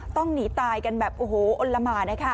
ต้องหนีตายกันแบบโอ้โหอลลามา